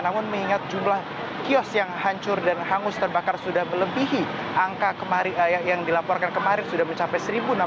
namun mengingat jumlah kios yang hancur dan hangus terbakar sudah melebihi angka yang dilaporkan kemarin sudah mencapai satu enam ratus